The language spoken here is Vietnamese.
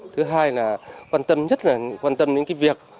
thứ hai là quan tâm nhất là quan tâm đến cái việc